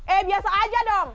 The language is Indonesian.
eh biasa aja dong